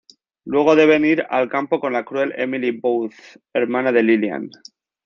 Luego deber ir al Campo con la cruel Emily Booth, hermana de Lilian.